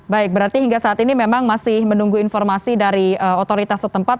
baik berarti hingga saat ini memang masih menunggu informasi dari otoritas setempat